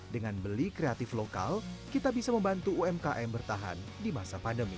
dengan beli kreatif lokal kita bisa membantu umkm bertahan di masa pandemi